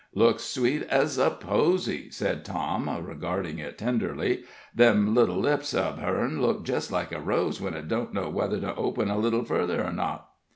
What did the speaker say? "Looks sweet ez a posy," said Tom, regarding it tenderly. "Them little lips uv hern look jest like a rose when it don't know whether to open a little further or not."